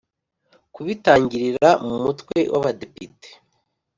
kubitangirira mu Mutwe w Abadepite